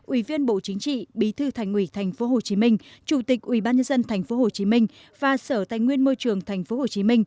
ủy viên bộ chính trị bí thư thành ủy tp hcm chủ tịch ủy ban nhân dân tp hcm và sở tài nguyên môi trường tp hcm